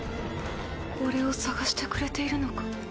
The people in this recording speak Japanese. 俺を捜してくれているのか？